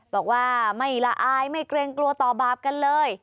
บอกว่าไม่ละอายไม่เกรงกลัวต่อบาปกันเลย